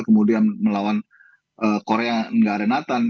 kemudian melawan korea yang tidak ada nathan